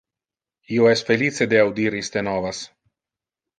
Io es felice de audir iste novas.